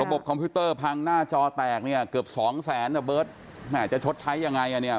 คอมพิวเตอร์พังหน้าจอแตกเนี่ยเกือบสองแสนนะเบิร์ตแม่จะชดใช้ยังไงอ่ะเนี่ย